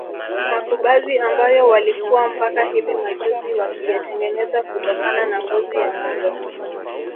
Makubazi ambayo walikuwa mpaka hivi majuzi wakiyatengeneza kutokana na ngozi ya ngombe